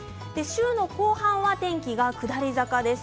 後半は天気が下り坂です。